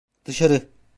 Dışarı!